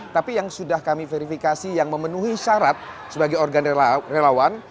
tapi yang sudah kami verifikasi yang memenuhi syarat sebagai organ relawan